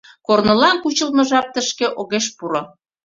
Корнылан кучылтмо жап тышке огеш пуро.